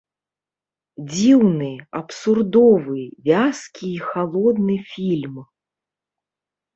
Дзіўны, абсурдовы, вязкі і халодны фільм.